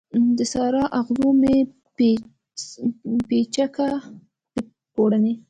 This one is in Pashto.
د سارا، اغزو مې پیڅکه د پوړنې